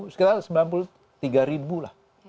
sekitar sembilan puluh tiga ribu lah